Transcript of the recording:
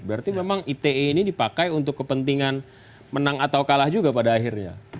berarti memang ite ini dipakai untuk kepentingan menang atau kalah juga pada akhirnya